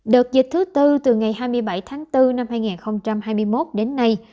đợt dịch thứ tư từ ngày hai mươi bảy tháng bốn năm hai nghìn hai mươi một đến nay